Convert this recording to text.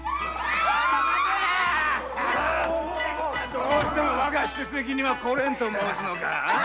・どうしてもわが酒席には来れんと申すのか。